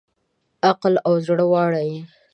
عقل او زړه واړه یې